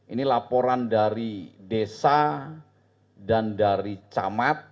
ini laporan dari desa dan dari camat